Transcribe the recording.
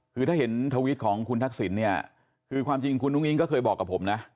คือถ้าเห็นทวิตของคุณทักษิณเนี่ยคือความจริงคุณอุ้งอิงก็เคยบอกกับผมนะ